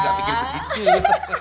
iya aku juga pikir begitu